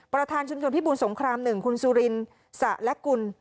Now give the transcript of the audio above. ประธานชุมชนพิบูรสงคราม๑คุณสุรินสะและกุล